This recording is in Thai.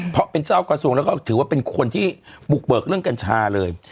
เพราะเป็นเจ้ากระทรวงแล้วก็ถือว่าเป็นคนที่บุกเบิกเรื่องกัญชาเลย